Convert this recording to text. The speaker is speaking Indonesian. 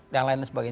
dan lain sebagainya